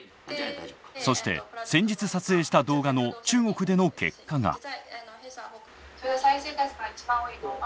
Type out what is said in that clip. そして先日撮影した動画の中国での結果が。